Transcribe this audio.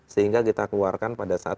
sehingga kita keluarkan pada saat